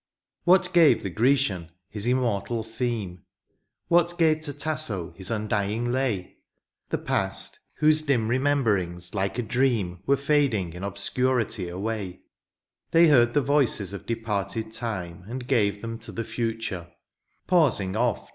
What gave the Grecian his immortal theme ? What gave to Tasso his undying lay ? The past — whose dim rememberings, like a dream. Were fading in obscurity away ; They heard the voices of departed time And gave them to the future — ^pausing oft.